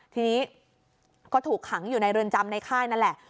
ทีนี้ก็ถูกขังอยู่ในเรือนจำในค่ายนั่นแหละ